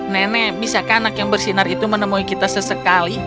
nenek bisakah anak yang bersinar itu menemui kita sesekali